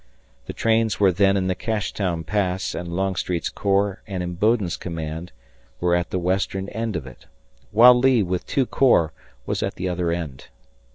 The trains were then in the Cashtown Pass, and Longstreet's corps and Imboden's command were at the western end of it, while Lee, with two corps, was at the other end.